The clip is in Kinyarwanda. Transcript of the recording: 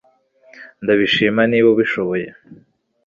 Ndabishima niba ubishoboye